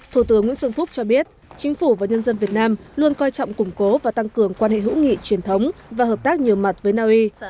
thủ tướng nguyễn xuân phúc cho biết chính phủ và nhân dân việt nam luôn coi trọng củng cố và tăng cường quan hệ hữu nghị truyền thống và hợp tác nhiều mặt với naui